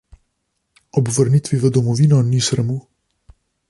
Ob vrnitvi v domovino ni sramu.